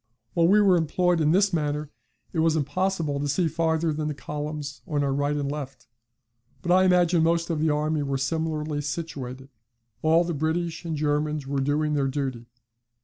While we were employed in this manner it was impossible to see farther than the columns on our right and left, but I imagine most of the army were similarly situated: all the British and Germans were doing their duty.